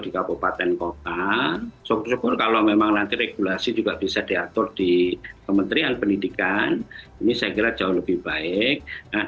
di kabupaten kota sobat thank you mas di atur di kementerian pendidikan ini segera jauh lebih baik